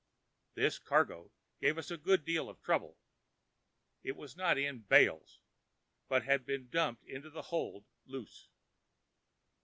This cargo gave us a good deal of trouble. It was not in bales, but had been dumped into the hold loose.